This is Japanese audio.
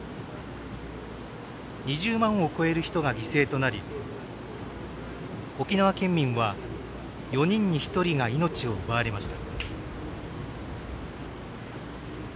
２０万を超える人が犠牲となり沖縄県民は４人に１人が命を奪われました。